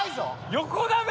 横だね。